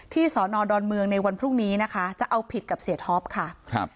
สอนอดอนเมืองในวันพรุ่งนี้นะคะจะเอาผิดกับเสียท็อปค่ะครับ